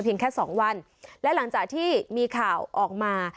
แค่สองวันและหลังจากที่มีข่าวออกมา